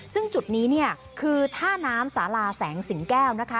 ซึ่งจุดนี้เนี่ยคือท่าน้ำสาลาแสงสิงแก้วนะคะ